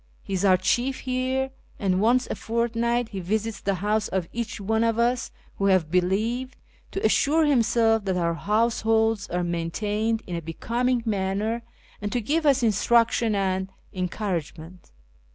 He is our chief here, and once a fortnight he visits the house of each one of us who have believed, to assure himself that our house holds are maintained in a becoming manner, and to give us instruction and encouragement.